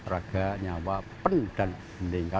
raga nyawa pen dan mendengka